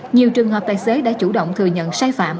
nhiều trường hợp tài xế đã chủ động thừa nhận sai phạm